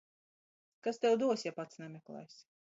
Kas tev dos, ja pats nemeklēsi.